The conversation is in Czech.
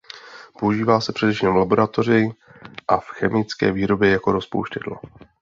Používá se především v laboratoří a v chemické výrobě jako rozpouštědlo.